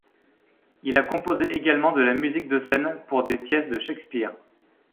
Il a composé également de la musique de scène pour des pièces de Shakespeare.